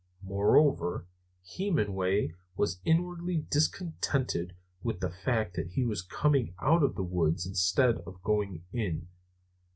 Moreover, Hemenway was inwardly discontented with the fact that he was coming out of the woods instead of going in.